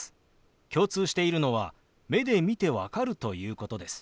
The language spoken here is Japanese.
共通しているのは目で見て分かるということです。